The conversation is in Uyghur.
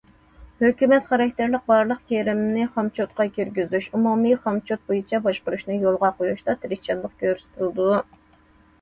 ھۆكۈمەت خاراكتېرلىك بارلىق كىرىمنى خامچوتقا كىرگۈزۈش، ئومۇمىي خامچوت بويىچە باشقۇرۇشنى يولغا قويۇشتا تىرىشچانلىق كۆرسىتىلىدۇ.